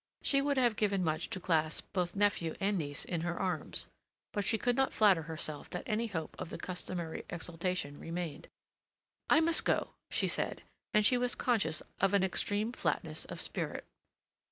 She would have given much to clasp both nephew and niece in her arms. But she could not flatter herself that any hope of the customary exaltation remained. "I must go," she said, and she was conscious of an extreme flatness of spirit.